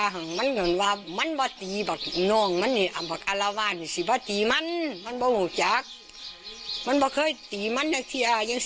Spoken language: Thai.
หรือบ่เรียงแต่สีกระเดียงก็ยังรอ